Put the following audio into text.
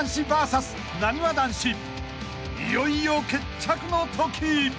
［いよいよ決着の時］